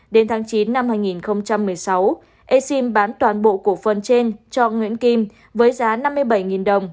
đến tháng chín năm hai nghìn một mươi sáu exim bán toàn bộ cổ phần trên cho nguyễn kim với giá năm mươi bảy đồng